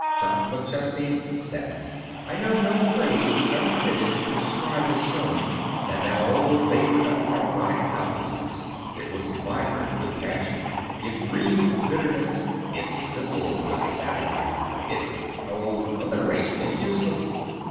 Jock McChesney said it. I know no phrase better fitted to describe his tone than that old favorite of the erotic novelties. It was vibrant with passion. It breathed bitterness. It sizzled with savagery. It Oh, alliteration is useless.